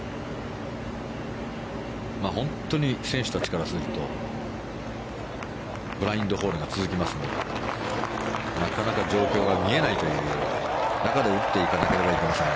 本当に選手たちからするとブラインドホールが続きますのでなかなか状況が見えないという中で打っていかなければいけません。